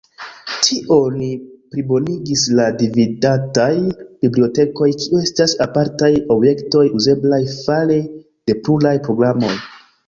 Tion plibonigis la "dividataj" bibliotekoj, kiuj estas apartaj objektoj uzeblaj fare de pluraj programoj.